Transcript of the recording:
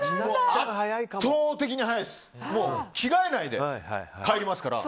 着替えないで帰りますから。